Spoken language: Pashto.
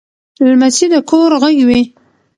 لمسی د کور غږ وي.